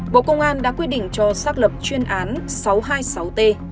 bộ công an đã quyết định cho xác lập chuyên án sáu trăm hai mươi sáu t